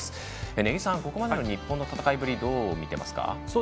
根木さん、ここまでの日本の戦いぶりをどうみていますか？